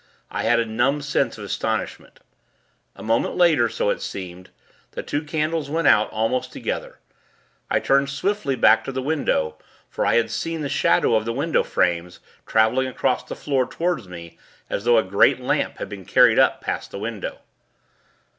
I had a numb sense of astonishment. A moment later, so it seemed, the two candles went out, almost together. I turned swiftly back to the window; for I had seen the shadow of the window frames, traveling along the floor toward me, as though a great lamp had been carried up past the window.